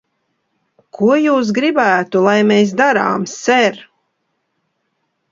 Ko jūs gribētu, lai mēs darām, ser?